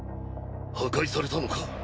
破壊されたのか。